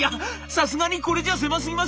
さすがにこれじゃ狭すぎますよ。